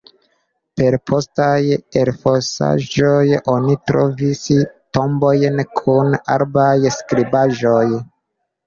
Per postaj elfosaĵoj oni trovis tombojn kun arabaj skribaĵoj.